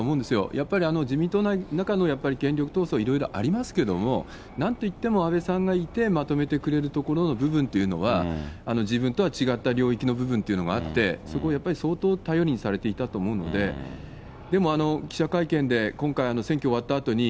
やっぱり自民党の中のやっぱり権力闘争いろいろありますけども、なんといっても、安倍さんがいて、まとめてくれるところの部分というのは、自分とは違った領域の部分っていうのはあって、そこをやっぱり相当頼りにされていたと思うので、でも、記者会見で今回、選挙終わったあとに、